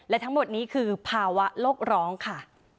และทั้งหมดนี้คือภาวะโลกร้องค่ะ